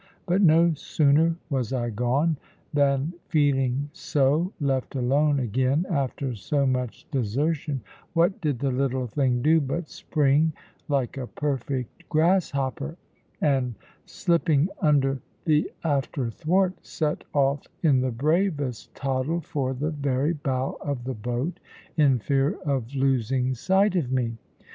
But no sooner was I gone, than feeling so left alone again after so much desertion, what did the little thing do but spring like a perfect grasshopper, and, slipping under the after thwart, set off in the bravest toddle for the very bow of the boat, in fear of losing sight of me?